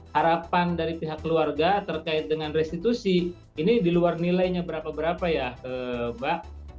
harapan dari pihak keluarga terkait dengan restitusi ini di luar nilainya berapa berapa ya mbak